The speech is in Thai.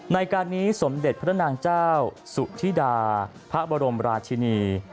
ในการนี้สมเด็จพระนางเจ้าสุธิดาพระบรมราชินี